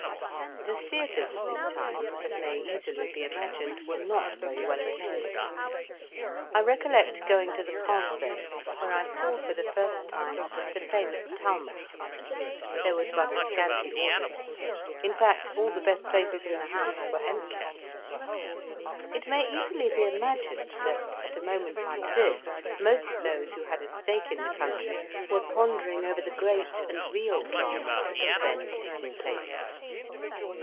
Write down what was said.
The theatres at this time, as may easily be imagined, were not very well attended. I recollect going to the Francais, where I saw for the first time the famous Talma. There was but a scanty audience; in fact all the best places in the house were empty. It may easily be imagined that, at a moment like this, most of those who had a stake in the country were pondering over the great and real drama that was then taking place.